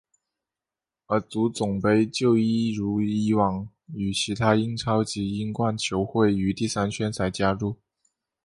而足总杯就一如已往与其他英超及英冠球会于第三圈才加入。